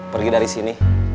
pergi dari sini